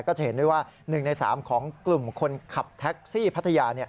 ก็จะเห็นด้วยว่า๑ใน๓ของกลุ่มคนขับแท็กซี่พัทยา